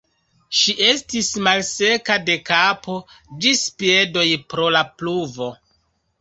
Ŝi estis malseka de kapo ĝis piedoj pro la pluvo.